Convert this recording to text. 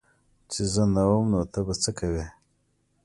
چي زه نه وم نو ته به څه کوي